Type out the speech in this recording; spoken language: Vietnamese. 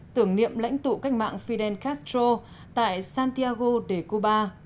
tưởng niệm lãnh tụ cách mạng fidel castro tại santiago de cuba